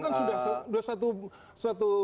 itu kan sudah satu satu